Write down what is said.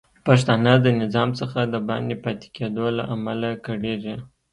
پښتانه د نظام څخه د باندې پاتې کیدو له امله کړیږي